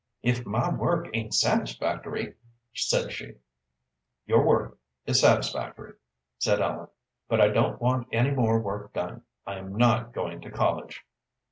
"If my work ain't satisfactory," said she "Your work is satisfactory," said Ellen, "but I don't want any more work done. I am not going to college."